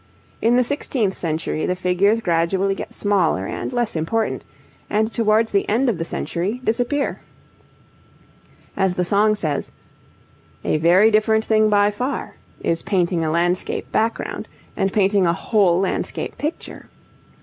In the sixteenth century the figures gradually get smaller and less important, and towards the end of the century disappear. As the song says, 'a very different thing by far' is painting a landscape background and painting a whole landscape picture.